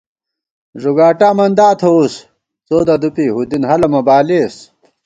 ݫُگاٹا منداتھووُس څو ددُوپی ہُودِن ہَلہ مہ بالېس